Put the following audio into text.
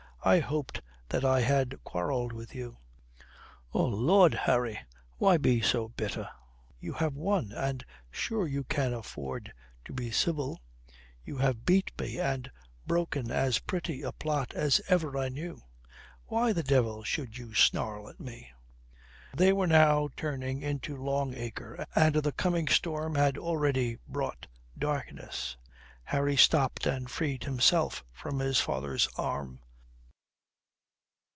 "I hoped that I had quarrelled with you." "Oh Lud, Harry, why be so bitter? You have won, and sure you can afford to be civil. You have beat me and broken as pretty a plot as ever I knew. Why the devil should you snarl at me?" They were now turning into Long Acre and the coming storm had already brought darkness. Harry stopped and freed himself from his father's arm.